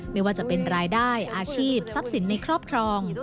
ไม่ว่าจะเป็นรายได้อาชีพทรัพย์สินในครอบครอง